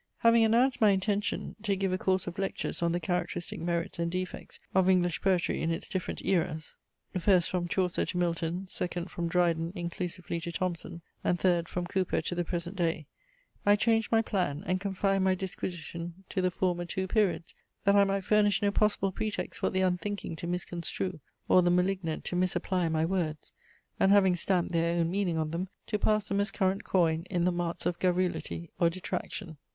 Having announced my intention to give a course of Lectures on the characteristic merits and defects of English poetry in its different aeras; first, from Chaucer to Milton; second, from Dryden inclusively to Thomson; and third, from Cowper to the present day; I changed my plan, and confined my disquisition to the former two periods, that I might furnish no possible pretext for the unthinking to misconstrue, or the malignant to misapply my words, and having stamped their own meaning on them, to pass them as current coin in the marts of garrulity or detraction.